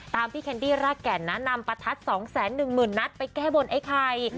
ตามพิแคนดี้ราแก่นนานำประทัด๒๑๐๐๐๐นัดไปแก้บนน้ำไอ้ไข่